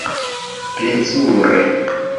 Plezure.